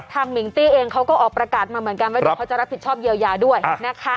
มิงตี้เองเขาก็ออกประกาศมาเหมือนกันว่าเดี๋ยวเขาจะรับผิดชอบเยียวยาด้วยนะคะ